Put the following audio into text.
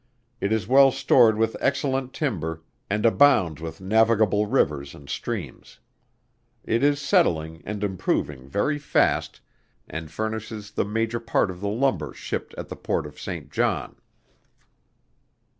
It is well stored with excellent timber and abounds with navigable rivers and streams. It is settling and improving very fast, and furnishes the major part of the lumber shipped at the port of St. John.